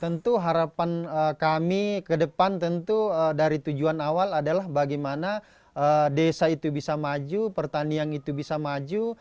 tentu harapan kami ke depan tentu dari tujuan awal adalah bagaimana desa itu bisa maju pertanian itu bisa maju